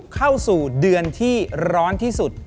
เข้าสู่เดือนที่ร้อนที่สุด